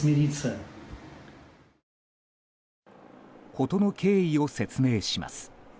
事の経緯を説明します。